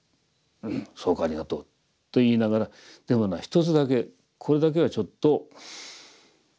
「うんそうかありがとう」と言いながら「でもな１つだけこれだけはちょっと掃除をしながらやってもらえんかな」。